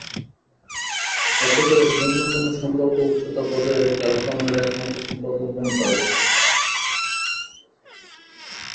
এতে করে ন্যূনতম সম্ভাব্য উচ্চতা বজায় রেখে আক্রমণের একমাত্র সম্ভাব্য কোণ পাবে।